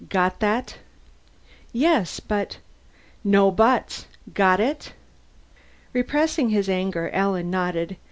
Got that?" "Yes, but " "No buts! Got it?" Repressing his anger, Alan nodded.